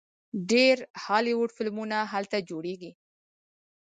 ډیر هالیوډ فلمونه هلته جوړیږي.